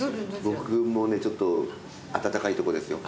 僕もねちょっと暖かいとこですよ。